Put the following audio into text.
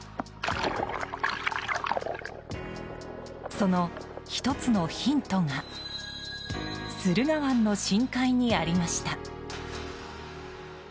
その１つのヒントが駿河湾の深海にありました。